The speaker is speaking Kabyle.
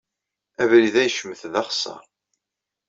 Abrid-a yecmet d axeṣṣar.